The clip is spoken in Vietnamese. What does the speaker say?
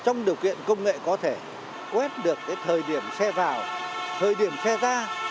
những điều kiện công nghệ có thể quét được cái thời điểm xe vào thời điểm xe ra